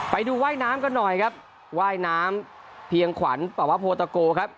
ไปดูว่ายน้ำกันหน่อยครับว่ายน้ำเพียงขวัญปวโพตะโกครับ